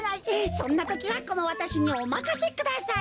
そんなときはこのわたしにおまかせください。